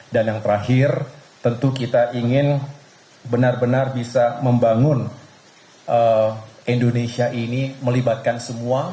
dan yang terakhir tentu kita ingin benar benar bisa membangun indonesia ini melibatkan semua